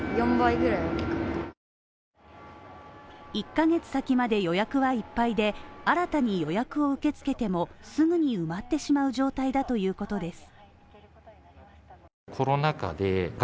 １ヶ月先まで予約はいっぱいで、新たに予約を受け付けてもすぐに埋まってしまう状態だということです。